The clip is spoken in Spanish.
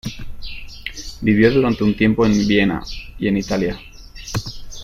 Vivió durante un tiempo en Viena y en Italia.